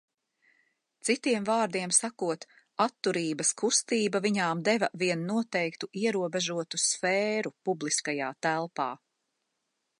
Citiem vārdiem sakot, atturības kustība viņām deva vien noteiktu ierobežotu sfēru publiskajā telpā.